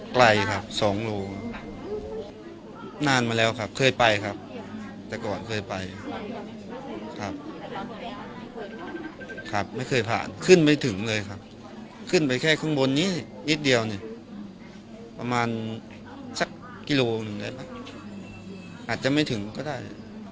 ไกลครับสองโลนานมาแล้วครับเคยไปครับแต่ก่อนเคยไปครับไม่เคยผ่านขึ้นไม่ถึงเลยครับขึ้นไปแค่ข้างบนนี้นิดเดียวเนี่ยประมาณสักกิโลหนึ่งได้ป่ะอาจจะไม่ถึงก็ได้